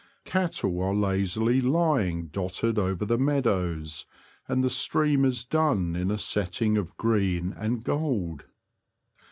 Cattle are lazily lying dotted over the meadows, and the stream is done in a setting of green and gold.